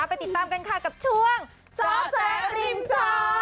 ไปติดตามกันค่ะกับช่วงจอแสริมจอ